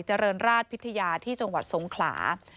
เจริญราชพิธยาที่จสงขลา